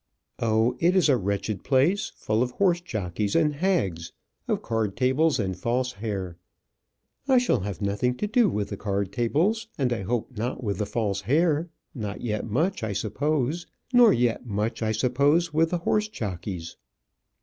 "Oh, it is a wretched place; full of horse jockeys and hags of card tables and false hair." "I shall have nothing to do with the card tables, and I hope not with the false hair nor yet much, I suppose, with the horse jockeys."